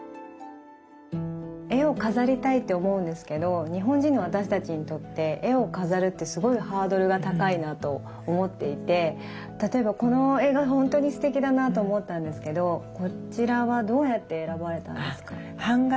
絵を飾りたいって思うんですけど日本人の私たちにとって絵を飾るってすごいハードルが高いなと思っていて例えばこの絵が本当にすてきだなと思ったんですけどこちらはどうやって選ばれたんですか？